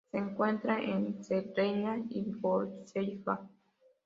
Se encuentra en Cerdeña y Córcega.